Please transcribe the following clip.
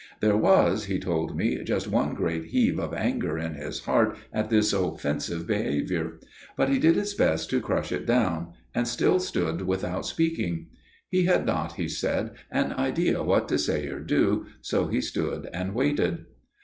There was, he told me, just one great heave of anger in his heart at this offensive behaviour; but he did his best to crush it down, and still stood without speaking. He had not, he said, an idea what to say or do, so he stood and waited.